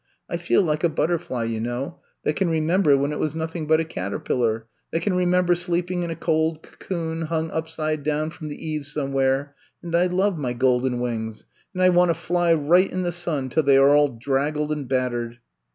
I feel like a butter fly, you know, that can remember when it was nothing but a caterpillar, that can re member sleeping in a cold cocoon hung up side down from the eaves somewhere, and I love my golden wings and I want to fly right in the sun till they are all draggled and battered.